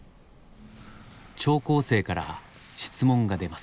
聴講生から質問が出ます。